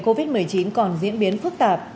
covid một mươi chín còn diễn biến phức tạp